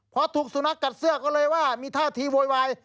พอถูกสุนัขกัดเสื้อก็เลยว่ามีท่าทีโวยวาย